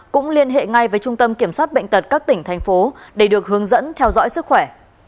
cũng liên hệ ngay với trung tâm kiểm soát bệnh tật các tỉnh thành phố để được hướng dẫn theo dõi sức khỏe